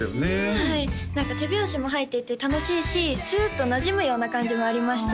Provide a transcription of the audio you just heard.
はい何か手拍子も入っていて楽しいしスーッとなじむような感じもありました